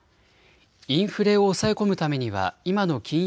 インフレを抑え込むためには今の金融